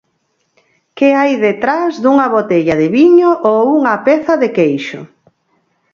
Que hai detrás dunha botella de viño ou unha peza de queixo?